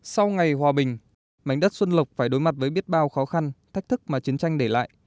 sau ngày hòa bình mảnh đất xuân lộc phải đối mặt với biết bao khó khăn thách thức mà chiến tranh để lại